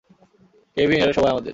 Kevin, এরা সবাই আমার।